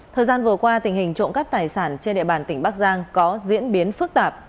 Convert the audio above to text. thời gian vừa qua tình hình trộm cắp tài sản trên địa bàn tỉnh bắc giang có diễn biến phức tạp